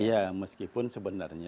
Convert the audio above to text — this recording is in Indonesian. iya meskipun sebenarnya